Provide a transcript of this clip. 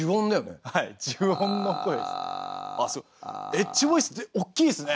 エッジボイス大きいですね！